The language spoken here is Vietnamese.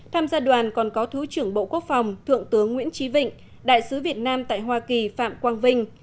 tham gia đoàn còn có thứ trưởng bộ quốc phòng thượng tướng nguyễn trí vịnh đại sứ việt nam tại hoa kỳ phạm quang vinh